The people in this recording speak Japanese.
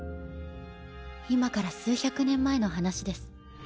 今から数百年前の話です。